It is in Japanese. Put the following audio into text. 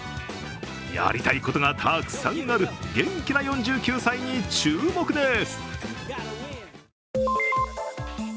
やりたいことがたくさんある元気な４９歳に注目です。